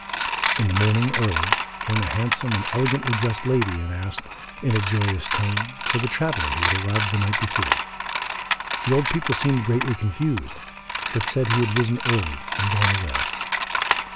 In the morning, early, came a handsome and elegantly dressed lady and asked, in a joyous tone, for the traveller who had arrived the night before. The old people seemed greatly confused, but said he had risen early and gone away.